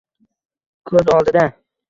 Ko’z oldida